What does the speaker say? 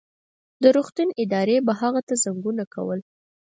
د روغتون ادارې به هغه ته زنګونه کول.